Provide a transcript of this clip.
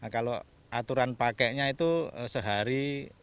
kalau aturan pakainya itu sehari